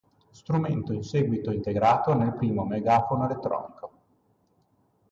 Strumento in seguito integrato nel primo megafono elettronico.